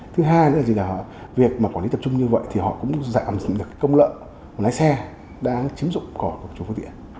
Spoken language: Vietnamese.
thứ hai nữa là việc mà quản lý tập trung như vậy thì họ cũng giảm những công lợn của lái xe đang chiếm dụng cỏ của chủ phương tiện